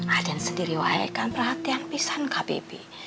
aden sendiri wajahkan perhatian pisang kak bebi